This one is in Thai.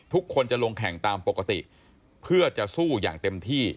ทุกคนจะลงแข่งตามปกติเพื่อจะสู้อย่างเต็มที่